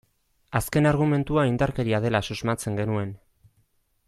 Azken argumentua indarkeria dela susmatzen genuen.